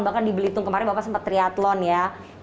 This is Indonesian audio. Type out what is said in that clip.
bahkan di belitung kemarin bapak sempat triathlon ya